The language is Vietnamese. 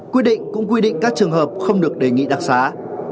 quy định cũng quy định các trường hợp không được đề nghị đặc xá